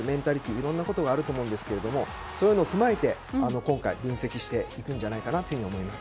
いろんなことがあると思うんですけれどもそういうものを踏まえて今回、分析していくんじゃないかと思います。